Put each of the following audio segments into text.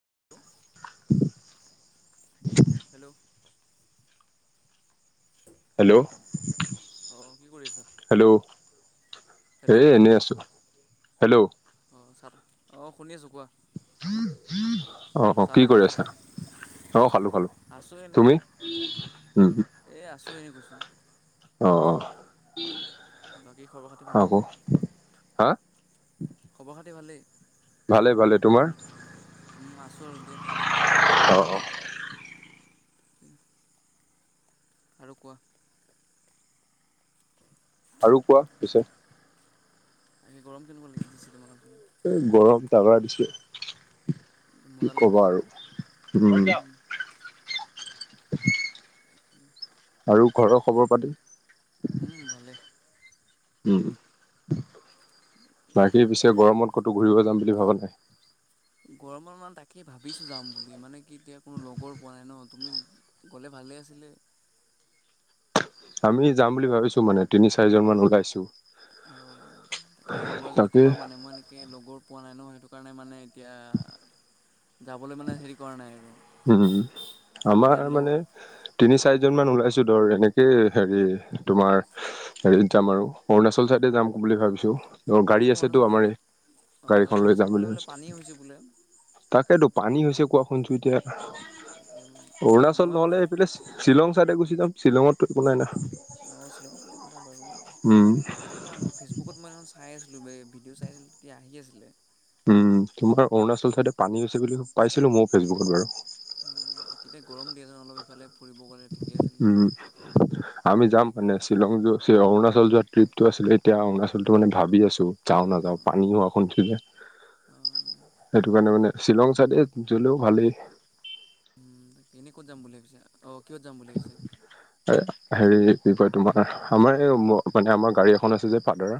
[inaudible] Hello hello অঁ কি কৰি আছা হেল্ল' এ এনেই আছো। অ [inaudible] অ শুনি আছোঁ কোৱা অ অ কি কৰি আছা? অঁ খালোঁ খালোঁ আছো এনে। তুমি এ আছো এনে কৈছো অ অ বাকী খবৰ খাতি ভালেই? হা খবৰ খাতি ভালেই? ভালে ভালে তোমাৰ? আছো আৰু দিয়া। অ অ [inaudible] আৰু কোৱা আৰু কোৱা পিছে। তাকে গৰম কেনেকুৱা লাগি দিছে তোমালোকৰ ফালে। এই গৰম তাগৰা দিছে। কি মজা লাগি কবা গৈছে আৰু ন উম। আৰু ঘৰৰ খবৰ পাতি? উম ভালে। উম বাকী পিছে গৰমত ক'তো ঘূৰিব যাম বুলি ভাবা নাই? গৰমৰ মান তাকে ভাবিছো যাম বুলি মানে কি এতিয়া কোনো লগৰ পোৱা নাই ন তুমি গ'লে ভালে আছিলে [inaudible] আমি যাম বুলি ভাবিছো মানে তিনি চাৰিজন মান ওলাইছো। অ তাকে ওলোৱা যদি তাকে ক'বা মানে মই এনেকে লগৰ পোৱা নাই ন সেইটো কাৰণে মানে এতিয়া যাবলৈ মানে হেৰি কৰা নাই আৰু উম আমাৰ কেতিয়া লগ মানে তিনি চাৰিজন মান ওলাইছো ধৰ এনেকেই হেৰি তোমাৰ হেৰি যাম আৰু অৰুণাচল চাই তে যাম বুলি ভাবিছো। অ তাকে গাড়ী আছেতো অৰুণাচল আমাৰ অ, তাকে অৰুণাচল ফালে বোলে পানী হৈছে বোলে। তাকেইেতো পানী হৈছে কোৱা শুনছো এতিয়া তাকে অৰুণাচল মই নহলে মানে এইফালে শ্বিলং চাইডে শ্বিলঙ- শ্বিলঙততো বনাই না অ, শ্বিলঙৰ ফ একো নাই বাৰু উম তাকে মানে ফেচবুকত মই আছো। খাই আছিলো বে ভিডিঅ' চাই আছিলো তেতিয়া আহি আছিলে। উম, তোমাৰ অৰুণাচল চাইডে পানী হৈছে বুলি পাইছিলো মইো ফেচবুকত বাৰু। অ, তাকেইতিয়া গৰম দিয়াচোন অলপ ইফালে। ফুৰিব গ'লে ঠিকেই আছিলে উম, আমি যাম তাকে মানে শ্বিলং যোৰ শ্বিলঙ অৰুণাচল যোৱা ট্ৰিপটো আছিলে এতিয়া অৰুণাচলটো মানে ভাবি আছো যাও নাযাও অঁ পানী হোৱা শুনিছো যে। অঁ সেইটো কাৰণে মানে শ্বিলং চাইডে গলেও ভালেই। উম, তাকে এনেই ক'ত যাম বুলি ভাবিছে অ, কিহত যাম বুলি ভাবিছে। হেৰি কি কয় তোমাৰ আমাৰ এই মানে আমাৰ গাড়ী এখন আছে যে ফাদাৰ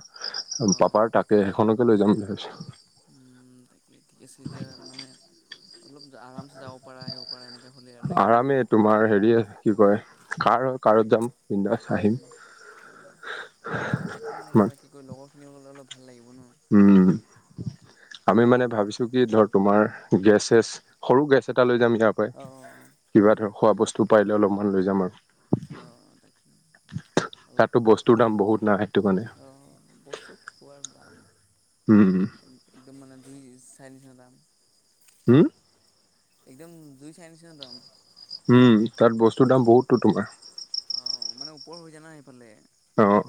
পাপাৰ তাক সেইখনকে লৈ যাম বুলি ভাবিছো। উম, তাকে ঠিকে আছে এতিয়া মানে অলপ আৰামছে যাব পাৰা আহিব পাৰা এনেকৈ হ'লে আৰু লাগে নেকি আৰামে তোমাৰ হেৰি কি কয় কাৰ - কাৰত যাম। বিন্দাছ আহিম উম, অ, তাকে মানে এতিয়া কি কৰি লগৰ খিনিলে অলপ ভাল লাগিব ন। উম আমি মানে ভাবিছো কি ধৰ তোমাৰ গেছ চেছ সৰু গেছ এটা লৈ যাম। তেকাই অ', অ', অ'। কিবা উম, ধৰ খোৱা বস্তু পাৰিলে অলপমান লৈ যাম আৰু। অ, তাকে অলপ। তাতো বস্তুৰ দাম বহুত না সেইটো কাৰণে অ, বস্তু পোৰা দাম। উম দু চাৰি চাদাম হম একদম জুই চাইনিছিনাদম তাত বস্তুৰ দাম বহুতো তোমাৰ। অ', মানে ওপৰ হৈ জানা এইফালে অ',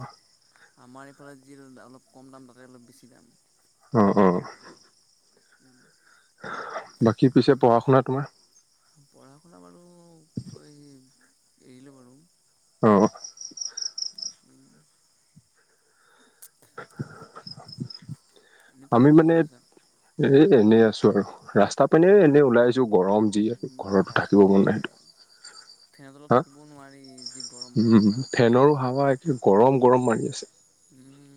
আমাৰ এইফালে যি অলপ কম দাম তাতে অলপ বেছি দাম। অ-অ। পিছে পঢ়া শুনা তোমাৰ? পঢ়া-শুনা বাৰু কি কয় এৰিলো বাৰু। অ', বাকী [unintelligible] এনেই তুমি আমি কি মানে কৰি আছা? [inaudible] এ এনেই আছো আৰু। ৰাস্তা পানীয়ে এনেই ওলাই আহিছোঁ গৰম যি ঘৰতো থাকিব তাকেই কি মন নাই। ক'বা আৰু ফেনৰ তলত হা থাকিবও নোৱাৰি যি গৰম - গৰম ভাৱ। গৰম-গৰম মাৰি আছে। উম,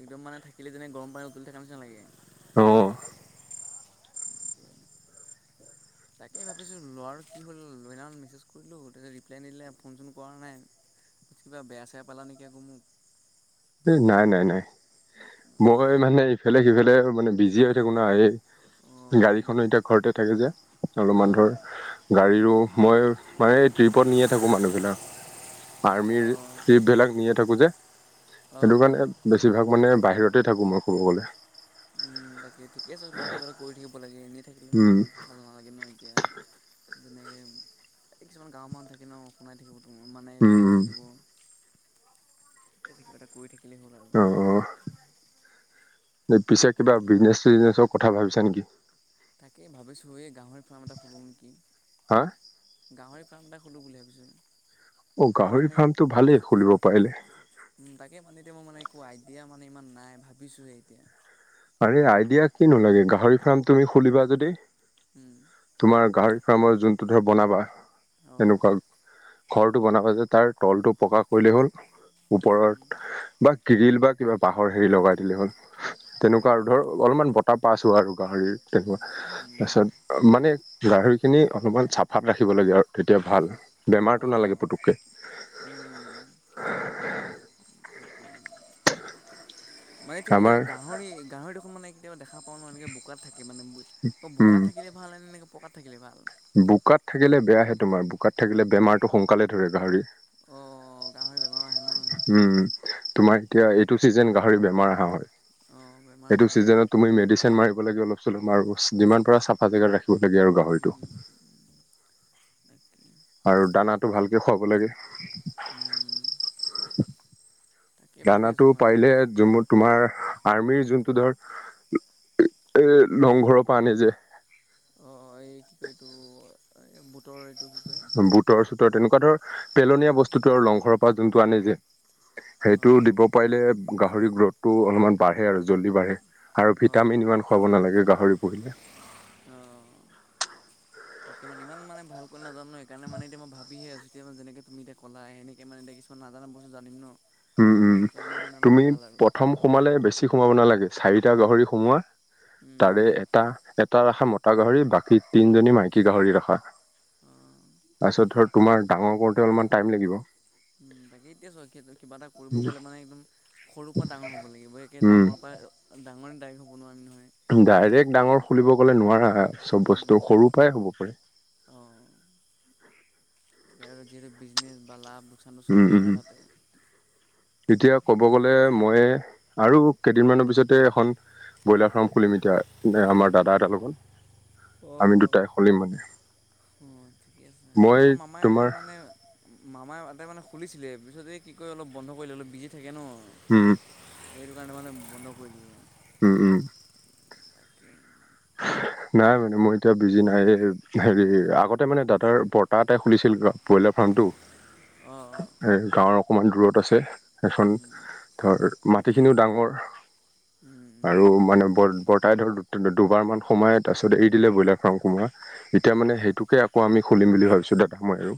একদম মানে থাকিলে যেনে গৰম পানী উতলি থকা নিচিনা লাগে। অহ ', [inaudible] তাকেই ভাবিছো ল'ৰাটো কি হ'ল লই নত মেছেজ কৰিলো তাৰপিছত ৰিপ্লাই নিদিলে ফোন চোন কৰা নাই। কিবা বেয়া চেয়া পালা নেকি আকৌ মোক। এ নাই - নাই - নাই মই মানে ইফালে সিফালে মানে বিজি হৈ থাকো ন এই অঁ গাড়ীখনো এতিয়া ঘৰতে থাকে যে। অলপমান অঁ ধৰ গাড়ীৰো মই মানে ট্ৰিপত নিয়েই থাকো মানুহবিলাক। অঁ আৰ্মিৰ চিফবিলাক নিয়েই থাকো যে। অঁ সেইটো অঁ কাৰণে বেছিভাগ মানে বাহিৰতে থাকো মই ক'ব গলে। [unintelligible] উম তাকে ঠিকে আছে বাৰু কিবা এটা কৰি থাকিব লাগে এনে উম [inaudible] [unintelligible] এতিয়া যেনেকে কিছুমান গাঁওৰ মানুহ থাকে ন শুনাই থাকিব [unintelligible] মানে উম, কৰি উম, থাকিব লাগে কিবা এটা কৰি থাকিলেই হ'ল আৰু অঁ পিছে কিবা বিজনেছ-চিজনেচৰ কথা ভাবিছা নেকি? তাকেই ভাবিছো এই গাহৰিৰ ফাৰ্ম এটা খুলো নেকি। হা? [unintelligible] গাহৰি ফাৰ্ম এটা খোলোঁ বুলি ভাবিছোঁ। অ গাহৰি মানে ফাৰ্মটো ভালেই খুলিব পাৰিলে। উম তাকে মানে [unintelligible] এতিয়া মোৰ মানে একো আইডিয়া মানে ইমান নাই ভাবিছোহে এতিয়া। আৰে আইডিয়া কিনো লাগে গাহৰি ফাৰ্ম তুমি খুলিবা যদি উম তোমাৰ গাহৰি ফাৰ্মৰ যোনটো ধৰ বনাবা অঁ এনেকুৱা ঘৰটো বনাব যে তাৰ তলটো প্ৰকাশ কৰিলেই হ'ল। উম ওপৰত বা গিৰিল বা কিবা বাঁহৰ হেৰি লগাই দিলে হ'ল। তেনেকুৱা অঁ আৰু ধৰ অলপমান বতাহ পাছ হোৱা আৰু গাহৰি তেনেকুৱা উম তাৰপাছত মানে গাহৰিখিনি অলপমান চাফাত ৰাখিব লাগে আৰু তেতিয়া ভাল। বেমাৰটো অঁ অঁ নালাগে পুতুককে। [unintelligible] [unintelligible] তাকেই মানেটো কি কয় আমাৰ গাহৰি গাহৰি দেখোন নে কি [inaudible] [unintelligible] কেতিয়াবা দেখা পাওঁ ন এনেকে বোকাত থাকে মানে উম বোকাত থাকিলে ভাল নে এনেকৈ পকাত থাকিলে ভাল? বোকাত থাকিলে বেয়াহে তোমাৰ বোকাত থাকিলে বেমাৰটো সোনকালে ধৰে গাহৰি। অঁ গাহৰি বেমাৰ আহে ন উম তোমাৰ এতিয়া এইটো চিজন গাহৰি বেমাৰ অহা হয়। অঁ বেমাৰ আহে সেইটো বাৰু চিজনত তুমি মেডিচিন মাৰিব লাগে অলপ চলপ মাৰো যিমান প চাফা জেগাত ৰাখি লাগে আৰু গাহৰিটো। উম তাকে আৰু দানাটো ভালকে খুৱাব লাগে। উম [inaudible] তাকে ভাবি দানাটো আছোঁ মানে পাৰিলে তোমাৰ আৰ্মিৰ যোনটো ধৰ এ লংঘৰৰ পৰা আনে যে [unintelligible] অ এই কি কয় এইটো বুটৰ এইটো কি কয় বুটৰ-চুটৰ তেনেকুৱা ধৰ পেলনীয়া বস্তুটো আৰু লংঘৰৰ পৰা যোনটো আনে যে [unintelligible] সেইটো অঁ দিব পাৰিলে গাহৰি গ্ৰথটো অলপমান বাঢ়ে আৰু জল্দি বাঢ়ে আৰু অঁ অঁ ভিটামিন ইমান খুৱাব নালাগে গাহৰি পুহিলে। [inaudible] অঁ তাকে মে ইমানানে ভালকৈ নাজানো সেইকাৰণে মানে এতিয়া মই ভাবিহে আছো। এতিয়া ম যেনে তুমি এতি কলা এনেক মানে এতিয়া কিছুমান নাজনা বস্তুা জানিম ন। উম উম সেইটো কাৰণে মানে অলপ তুমি ভাল আৰু প্ৰথম সোমালে বেছি সোমাব নালাগে চাৰিটা গাহৰি সোমোৱা উম তাৰে এটা দুটা ৰখা মতা গাহৰি বাকী তিনিজনী মাইকী গাহৰি ৰখা অঁ তাৰপিছত ধৰ তোমাৰ ডাঙৰ কৰোতে অলমান টাইম লাগিব। উম তাকে এতিয়া চ কিবা এটা কৰিব গ'লে মানে একদম সৰুৰ পৰা ডাঙৰ হ'ব লাগিব একে উম ডাঙৰ পৰা। মে দাই হ'বোৱাৰ আমিহয় [inaudible] ডাইৰেক্ট ডাঙৰ খুলিব ক নোৱাৰা চব উম বস্তু তাকে সৰুৰ পৰাই হ'ব পাৰে। অঁ যিহেতু বিজনেছ বা লাভ লোকচানটো উম চলিবই উম না উম তাতে এতিয়া কব গলে মই আৰু কেইদিনমানৰ পিছতে এখন ব্ৰইলাৰ ফাৰ্ম খুলিম এতিয়া ন আমাৰ দাদা এটাৰ লগত আমিত দুটাই খলিম মানে। অ ঠিকে আছে মই আমাৰ মামাই তোমাৰ মানে মামাই ইয়াৰতে মানে খুলিছিলে পিছতে কি কয় অলপ বন্ধ কৰিলে অলপ বিজি থাকে ন হম সেইটো কাৰণে মানে বন্ধ কৰি দি উম উম হয় নাই মানে মই এতিয়া বিজি নাই এই হেৰি আগতে মানে দাদাৰ বৰ্তা এটাই খুলিছিল ব্ৰইলাৰ ফাৰ্মটো অঁ অঁ এ গাঁৱৰ অকমান দূৰত আছে এখন ধৰ মাটিখিনিও ডাঙৰ আৰু মানে ব বৰ্তাই ধৰক দুবাৰমান সোমাই তাৰ পিছত এৰি দিলে ব্ৰইলাৰ ফাৰ্ম সোমাৱা এতিয়া অঁ মানে সেইটোকে আকৌ আমি খুলিম বুলি ভাবিছোঁ দাদা মই আৰু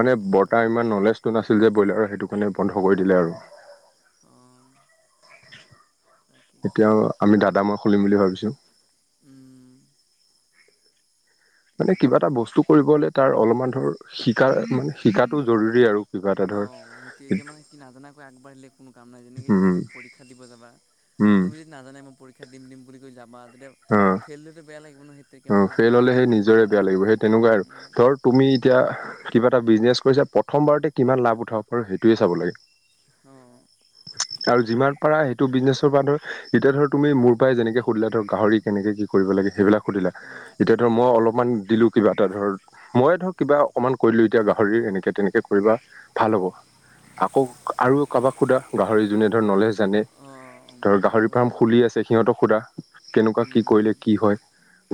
মানে অঁ বৰ্তাৰ ঠিক ইমান নলেজটো নাছিল যে ব্ৰইলাৰ সেইটো কাৰণে বন্ধ কৰি দিলে আৰু [inaudible] অঁ তাকেই এতিয়াও আমি দাদা মই খুলিম বুলি ভাবিছো মানে কিবা এটা বস্তু কৰিবলে তাৰ অলপমান ধৰ শিকা মানে শিকাতটো জৰুৰী আৰু কিবা এটা অক্ষ ধৰ সেইটো এতিয়া মানে কি নাজানাকৈ আগবাঢ়িলে কোনো কাম নাই যেনেকে এতিয়া উম তুমি পৰীক্ষা দিব যাবা উম তুমি যদি নাজানে মই পৰীক্ষা দিম দিম বুলি কৈ যাবা তেতিয়া ফেল্ডটোতো বেয়া লাগে অহ ফেইল হলে সেই নিজৰে বেয়া লাগিব সেই তেনেকুৱাই আৰু ধৰ তুমি এতিয়া কিবা এটা বিজনেছ কৰিছে প্ৰথমবাৰতে কিমান লাভ উঠাব পাৰ সেইটোৱে চাব লাগে অঁ আৰু যিমান পাৰা সেইটো বিজনেছ ধৰ বা ধৰ এতিয়া ধৰি তুমি মোৰ পৰা যেনেকে সুধিলা ধক গাহৰি কেনে কি কৰিব লাগে সেইবিলাক সু অঁ এতিয়া ধৰ মই অলপমান দিলো কিবা এটা ধৰ মইয়ে ধৰ কিবা অকমান কৰিলো এতিয়া গাহৰি এনেকে তেনেকে কৰিবা ভাল হ'ব আকৌ আৰু কাৰোবাক সোধা গাহৰি যোনে ধৰ নলেচ জানে অঁ ধৰ সেইটো গাহৰি হয় ফাৰ্ম বাৰু খুলি আছে সিহঁতক সোধা কেনেকুৱা কি কৰিলে কি হয়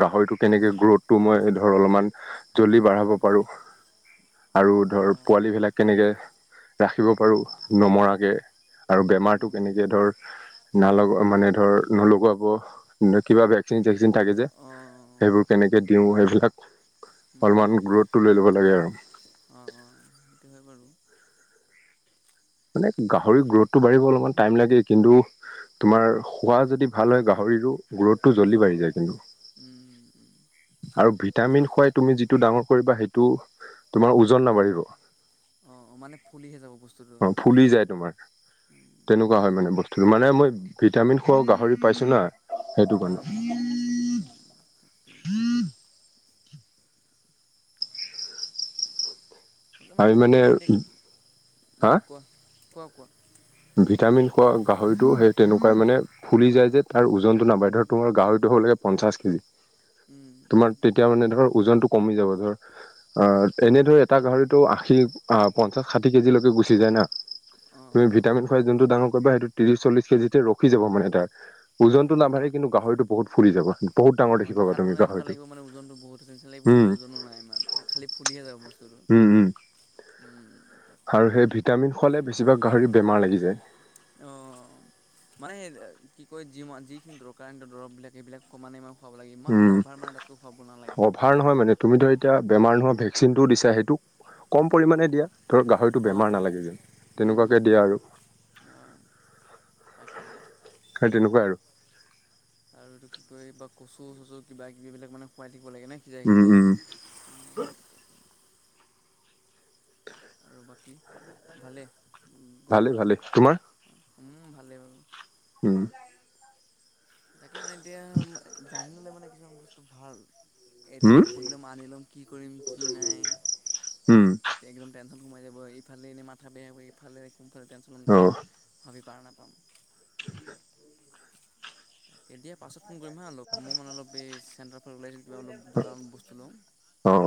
গাহৰিটো অঁ কেনেকৈ গ্ৰ'থটো মই ধৰ অলপমান জলদি বাঢ়াব পাৰোঁ আৰু ধৰ অঁ পোৱালী বিলাক কেনেকে ৰাখিব অঁ পাৰো নমৰা কে আৰু বেমাৰতটো অঁ কেনেকে ধৰ ন মানে ধৰ নলাব কিবা ইনজেকচিন থাকে যে অঁ সেইবোৰ কেনেকে দিওঁ সেইবিলাক অঁ অলপমান গ্ৰোথটো লৈ ল'ব লাগে আৰু উম সেইটো হয় বাৰু মানে গাহৰি তাকে গ্ৰথটো বাঢ়িব অলপমান টাইম লাগে কিন্তু তোমাৰ খোৱা যদি ভাল হয় গাহৰি শৰীৰো গ্ৰোথটো জল্দি বাঢ়ি অঁ যায় কিন্তু আৰু মানে ভিটামিন খোৱাই তুমি যিটো ডাঙৰ কৰিবা সেইটো তোমাৰ ওজন নাবাঢ়িব। অস মানে ফুলিহে যাব। বস্তুটো অহ ফুলি যায় তোমাৰ, তেনেকুৱা হয় মানে। ত মানে মই ভিটামিন খোৱা গাহৰি পাইছো না সেইটো কাৰণে। [inaudible] ম এনেকে মানে এতি হা কোৱা কোৱা কোৱা। ভিটামিন খোৱা গাহৰিটো সেই তেনেকুৱাই মানে ফুলি যায় যে তাৰ ওজনতটো নাবাহে। ধৰ তোমাৰ গাহৰিটো ধৰ লাগেপঞ্চাশ কেজি ক তোমাৰ তেতিয়া মানে ধৰ ওজনটো কমি যাব ধৰ অহ এনে ধৰে এটা গাহৰিতটো আশী পঞ্চাশ ষাঠি কেজিলৈকে গুচি যায় না। অঁ তুমি ভিটামিন খোৱাই যোনটো ডাঙৰ কৰিব সেইটো ত্ৰিশ চল্লিশ কেজিতে ৰখি যাব মানে, তাৰ, ওজনটো নাবাঢ়ে কিন্তু গাহৰিটো বহুত ফুৰি যাব বহুত ডাঙৰ অঁহ দেখি পাবা দেখাত তুমি মানে এনেকুৱা গাহৰিটো লাগিব মানে ওজনতো বহুত আছে নিচিনা লাগিব উম কিন্তু ওজনো নাই ইমান খালি ফুলিহে যাব বস্তু। উম উম আৰু সেই ভিটামিন খোৱালে বেছিভাগ গাহৰি বেমাৰ লাগি যায়। অহ। মানে কি কয় যি যিখিনি দৰকাৰ দৰৱবিলাক ক্ৰমানে মানে ম উম অভাৰ নহয় মানে তুমি ধৰা এতিয়া বেমাৰ নোহোৱা ভেকচিনটো দিছা সেইটো কম পৰিমাণে দিয়া। ধৰ গাহৰিতটো অ', বেমাৰ অ', নালাগে যেন উম, তেনেকুৱাকে উম, দিয়া উম, আৰু। অ', তাকেই সেই তেনেকুৱাই আৰু। আৰু এইটো কি ক এই বা কচু চচু কিবা কিবিলাক মানে খুৱাই থাকি ক লাগে ন সিজাই উম সিজাই। উম আৰু বাকী ভালেই? ভালেই ভালেই, তোমাৰ? উম ভালেই বাৰু। উম। তাকে মানে এতিয়া জানি ললে মানে কিছুমান বস্তু ভাল। এতিয়া উম মই সুধ লম আনি লম কি কৰিম কি নাই উম একদম সোমাই যাব ইফালে এনে মাথা বেয়া ইফালে সালে টেনচনত অ ভাবি পাৰ নাপা [unintelligible] তাকে দিয়া পাছত ফোন কৰিম হা অলপ মই মানে অলপ এই চেণ্টাৰ ফাল ওলাইছোঁ কিবা অলপ দোকানত বস্তু লওঁ।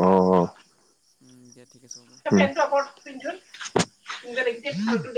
অ অ। উম দিয়া ঠিক আছে। হ'ব তই পেন্টো উপৰত পিন্ধছোন, তোক যে দেখিয়েই ফাল্টো দে